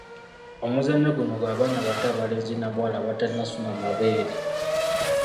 Omuzannyo guno gwa baana bato abalenzi n’abawala abatannasuna mabeere.